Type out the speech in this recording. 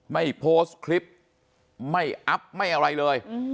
ไม่โพสต์คลิปไม่อัพไม่อะไรเลย